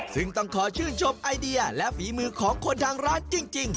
ซึ่งต้องขอชื่นชมไอเดียและฝีมือของคนทางร้านจริง